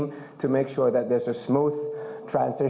ภักดิ์ส่วนตัวภารกิจสำคัญ